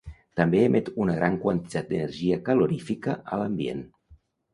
També emet una gran quantitat d'energia calorífica a l'ambient.